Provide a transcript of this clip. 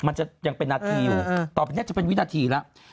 มันจะเป็นนาทีอยู่ตอนนี้จะเป็นวิหนาทีแล้ว